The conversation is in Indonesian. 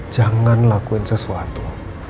jangan lakuin sesuatu